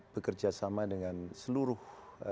bekerjasama dengan seluruh